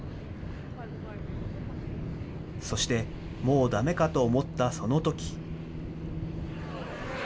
そして、もうだめかと思ったそのとき。